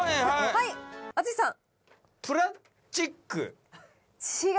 はい淳さん。